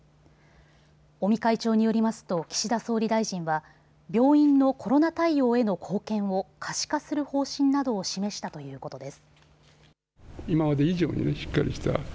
尾身会長によりますと岸田総理大臣は病院のコロナ対応への貢献を可視化する方針などを示したということです。